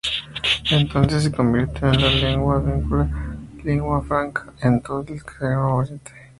Entonces se convirtió en lengua vehicular o "lingua franca" en todo el Cercano Oriente.